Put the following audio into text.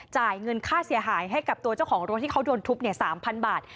จ่ายเงินค่าเสียหายให้กับตัวเจ้าของรถที่เขาโดนทุบ๓๐๐บาท